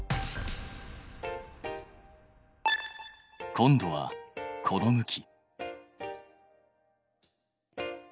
今度はこの向き。